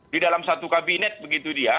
di dalam satu kabinet begitu dia